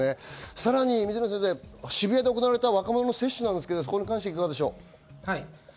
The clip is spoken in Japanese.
さらに渋谷で行われた若者の接種ですが、それに関してはいかがでしょう。